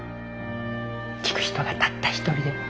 聴く人がたった一人でも。